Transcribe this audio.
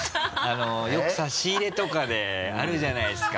よく差し入れとかであるじゃないですか。